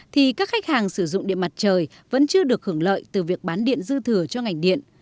thì các khách hàng sử dụng điện mặt trời vẫn chưa được hưởng lợi từ việc bán điện dư thừa cho ngành điện